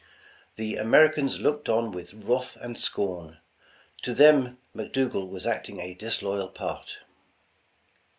The Americans looked on with wrath and scorn. To them McDougal was acting a disloyal part.